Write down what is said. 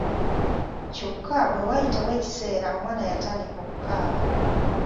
Kyokka bwe waayitawo ekiseera omwana yatandika okukaaba.